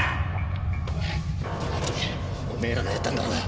おめえらがやったんだろうが！